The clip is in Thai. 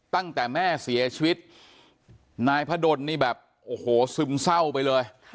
ตั้งแต่แม่เสียชีวิตนายพระดนนี่แบบโอ้โหซึมเศร้าไปเลย